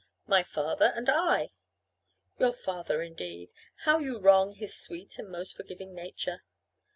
"My father and I." "Your father indeed! How you wrong his sweet and most forgiving nature!"